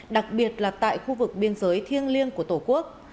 đặc biệt là tại khu vực biên giới thiêng liêng của tổ quốc